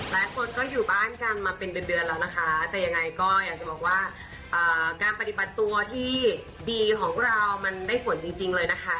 หลายคนก็อยู่บ้านกันมาเป็นเดือนเดือนแล้วนะคะแต่ยังไงก็อยากจะบอกว่าการปฏิบัติตัวที่ดีของเรามันได้ผลจริงเลยนะคะ